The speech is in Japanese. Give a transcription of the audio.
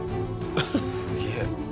すげえ。